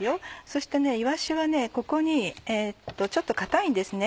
そしていわしはここにちょっと硬いんですね。